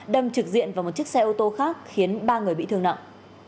đâm trực diện vào một chiếc xe ô tô khác khiến ba người bị thương nặng